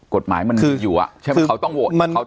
เพราะทุกภาคมันอยู่อ่ะ